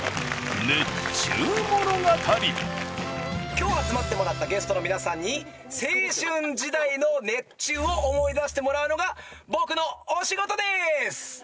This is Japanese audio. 今日集まってもらったゲストの皆さんに青春時代の熱中を思い出してもらうのが僕のお仕事でーす